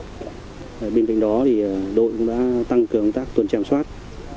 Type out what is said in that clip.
đội đã tăng cường công tác tuần tra kiểm soát